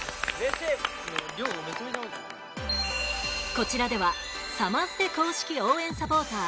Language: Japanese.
こちらではサマステ公式応援サポーター